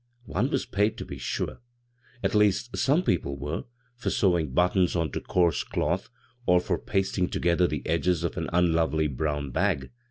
One was paid, to be sure, — at least some people were — for sewing but tons on to coarse cloth, or for pasting to gether the edges of an unlovely brown bag.